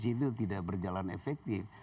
itu tidak berjalan efektif